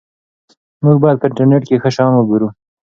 موږ باید په انټرنیټ کې ښه شیان وګورو.